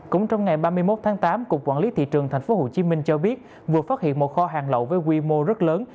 cũng trong ngày ba mươi một tháng tám cục quản lý thị trường tp hcm cho biết vừa phát hiện một kho hàng lậu với quy mô rất lớn